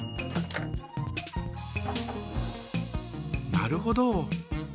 なるほど。